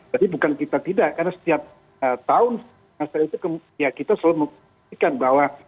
tapi bukan kita tidak karena setiap tahun kita selalu mengatakan bahwa